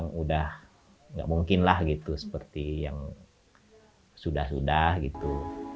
sudah nggak mungkin lah gitu seperti yang sudah sudah gitu